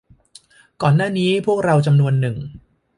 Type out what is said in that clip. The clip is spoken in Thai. ก่อนหน้านี้พวกเราจำนวนนึง